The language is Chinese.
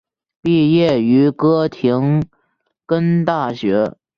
毕业于哥廷根大学。